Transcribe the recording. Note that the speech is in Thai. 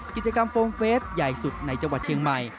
กิจกรรมโฟมเฟสใหญ่สุดในจังหวัดเชียงใหม่